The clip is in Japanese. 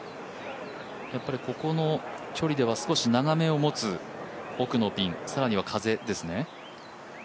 ここの距離では少し長めを持つ奥のピン、更には風ですね。